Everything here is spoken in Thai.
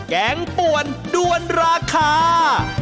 แกงป่วนด้วนราคา